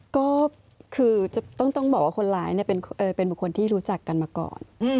ก็คือจะต้องต้องบอกว่าคนร้ายเนี่ยเป็นเป็นบุคคลที่รู้จักกันมาก่อนอืม